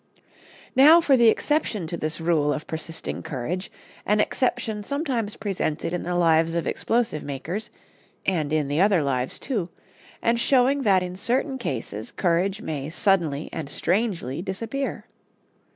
Now for the exception to this rule of persisting courage, an exception sometimes presented in the lives of explosive makers (and in the other lives, too), and showing that in certain cases courage may suddenly and strangely disappear.